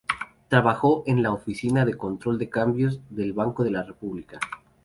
Trabajó en la Oficina de Control de Cambios del Banco de la República.